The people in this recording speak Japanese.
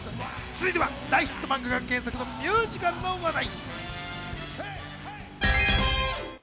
続いては大ヒット漫画が原作のミュージカルの話題。